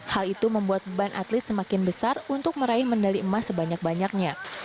hal itu membuat beban atlet semakin besar untuk meraih medali emas sebanyak banyaknya